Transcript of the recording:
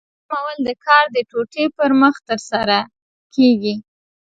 دا رسمول د کار د ټوټې پر مخ ترسره کېږي.